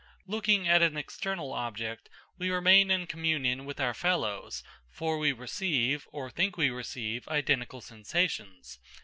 Looking at an external object, we remain in communion with our fellows, for we receive, or think we receive, identical sensations.